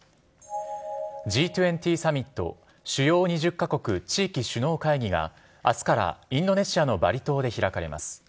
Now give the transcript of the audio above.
Ｇ２０サミット・主要２０か国・地域首脳会議が、あすからインドネシアのバリ島で開かれます。